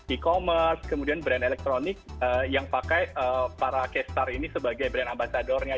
e commerce kemudian brand elektronik yang pakai para cashtar ini sebagai brand ambasadornya